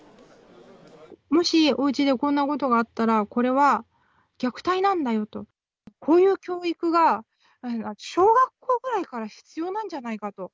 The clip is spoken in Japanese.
もし、おうちでこんなことがあったら、これは虐待なんだよと、こういう教育が、小学校ぐらいから必要なんじゃないかと。